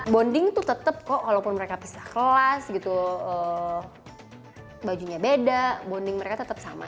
bonding tuh tetap kok walaupun mereka pisah kelas gitu bajunya beda bonding mereka tetap sama